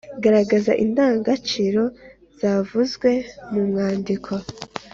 Garagaza indangagaciro zavuzwe mu mwandiko.